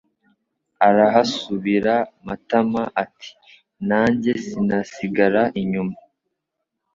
Arahasubira MatamaAti: nanjye sinasigara inyuma,